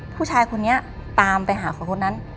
ผู้ชายคนนี้ตามไปหาคนคนนั้น